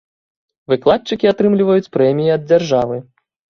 Выкладчыкі атрымліваюць прэміі ад дзяржавы.